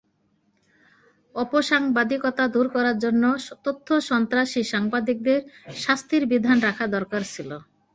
অপসাংবাদিকতা দূর করার জন্য তথ্যসন্ত্রাসী সাংবাদিকদের শাস্তির বিধান রাখা দরকার ছিল।